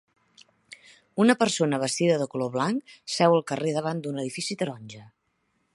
Una persona vestida de color blanc seu al carrer davant d'un edifici taronja.